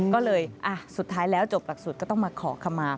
ก็เลยสุดท้ายแล้วจบหลักสุดก็ต้องมาขอขมา